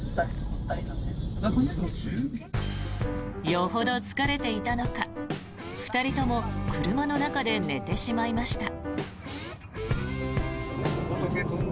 よほど疲れていたのか２人とも車の中で寝てしまいました。